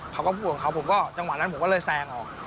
เขาก็พูดของเขาผมก็จังหวะนั้นผมก็เลยแซงออก